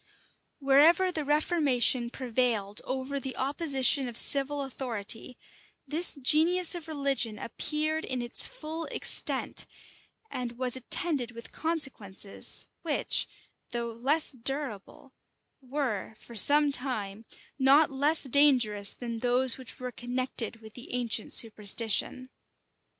Wherever the reformation prevailed over the opposition of civil authority, this genius of religion appeared in its full extent, and was attended with consequences, which, though less durable, were, for some time, not less dangerous than those which were connected with the ancient superstition.